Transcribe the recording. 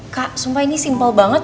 kak sumpah ini simple banget